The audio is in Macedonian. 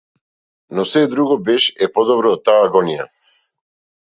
Но сѐ друго беш е подобро од таа агонија!